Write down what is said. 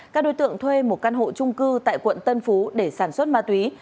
các đối tượng thuê một căn hộ trung cư tại quận tân phú để sản xuất ma túy